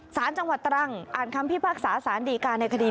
สารจังหวัดตรังอ่านคำพิพากษาสารดีการในคดี